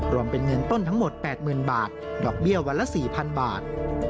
รวมเป็นเงินต้นทั้งหมด๘๐๐๐บาทดอกเบี้ยวันละ๔๐๐๐บาท